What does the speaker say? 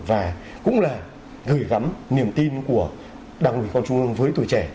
và cũng là gửi gắm niềm tin của đảng quỳnh công an trung ương với tuổi trẻ